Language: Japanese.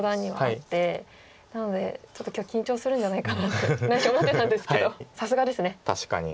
なのでちょっと今日緊張するんじゃないかなって内心思ってたんですけどさすがですね。